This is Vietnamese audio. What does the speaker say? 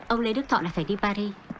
ông lê đức thọ đã phải đi paris